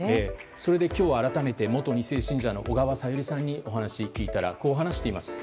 それで今日、改めて元２世信者の小川さゆりさんにお話を聞いたらこう話しています。